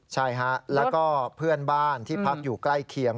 ใช่ฮะแล้วก็เพื่อนบ้านที่พักอยู่ใกล้เคียง